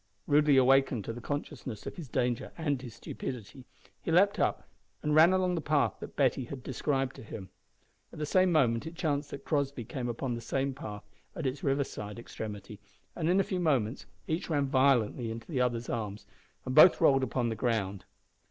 Rudely awakened to the consciousness of his danger and his stupidity, he leaped up and ran along the path that Betty had described to him. At the same moment it chanced that Crossby came upon the same path at its river side extremity, and in a few moments each ran violently into the other's arms, and both rolled upon the ground.